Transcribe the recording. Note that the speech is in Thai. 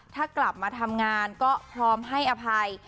ถ้ากลับมาทำงานก็พร้อมให้อภัย